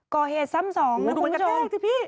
ก่อเหตุซ้ำสองนะคุณผู้ชมดูเหมือนกระแทกสิพี่